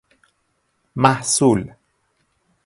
محصول